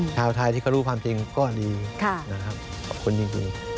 ชาวไทยที่เขารู้ความจริงก็ดีนะครับขอบคุณจริง